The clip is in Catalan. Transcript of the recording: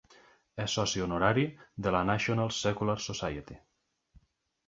És soci honorari de la National Secular Society.